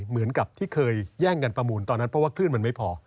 เหมือนกับที่เคยแย่งกันประมูลตอนนั้นเพราะว่าคลื่นมันไม่พอ